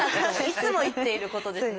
いつも言っていることです。